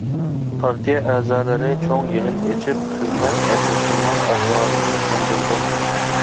پارتىيە ئەزالىرى چوڭ يىغىن ئېچىپ، خىزمەت ئەترىتىنىڭ ئەھۋالىنى چۈشەندۈردۇق.